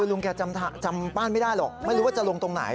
ลุงแกจำบ้านไม่ได้หรอกไม่รู้ว่าจะลงตรงไหน